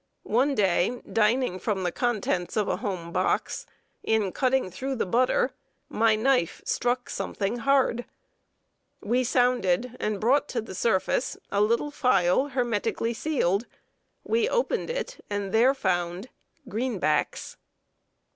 One day, dining from the contents of a home box, in cutting through the butter, my knife struck something hard. We sounded, and brought to the surface a little phial, hermetically sealed. We opened it, and there found "greenbacks!"